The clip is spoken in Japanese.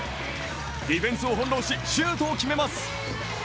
ディフェンスをほんろうしシュートを決めます。